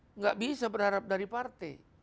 tidak bisa berharap dari partai